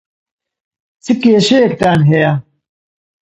چ کێشەیەکتان هەیە؟